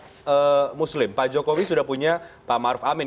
suara umat muslim pak jokowi sudah punya pak ma'ruf amin